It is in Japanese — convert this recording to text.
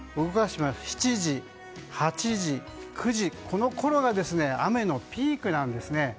７時から９時このころが雨のピークなんですね。